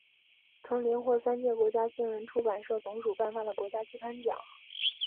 曾连获三届国家新闻出版总署颁发的国家期刊奖。